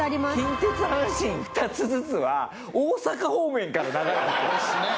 近鉄阪神２つずつは大阪方面から流れてきてるよね。